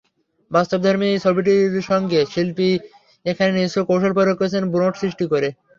বাস্তবধর্মী ছবিটির সঙ্গে শিল্পী এখানে নিজস্ব কৌশল প্রয়োগ করেছেন বুনট সৃষ্টি করে।